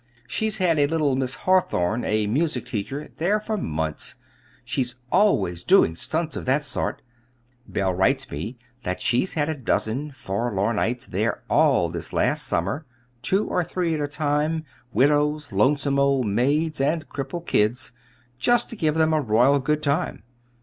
She's had a little Miss Hawthorn, a music teacher, there for months. She's always doing stunts of that sort. Belle writes me that she's had a dozen forlornites there all this last summer, two or three at a time tired widows, lonesome old maids, and crippled kids just to give them a royal good time.